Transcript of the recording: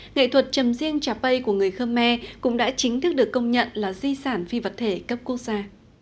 nghệ thuật trầm riêng trà bay của người khmer cũng đã chính thức được công nhận là di sản phi vật thể cấp quốc gia